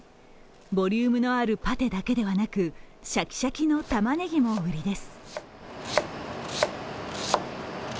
ボリュームのあるパテだけではなくシャキシャキのたまねぎも売りです。